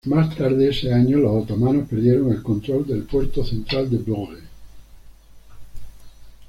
Más tarde ese año, los otomanos perdieron el control del puerto central de Vlorë.